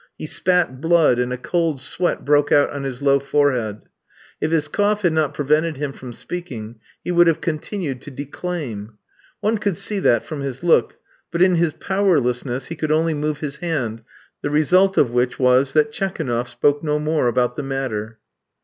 He spat blood, and a cold sweat broke out on his low forehead. If his cough had not prevented him from speaking, he would have continued to declaim. One could see that from his look; but in his powerlessness he could only move his hand, the result of which was that Tchekounoff spoke no more about the matter.